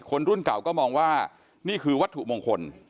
รุ่นเก่าก็มองว่านี่คือวัตถุมงคล